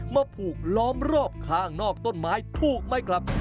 ผูกล้อมรอบข้างนอกต้นไม้ถูกไหมครับ